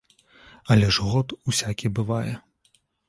Але ж год усякі бывае.